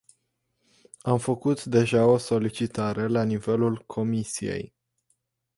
Am făcut deja o solicitare la nivelul comisiei.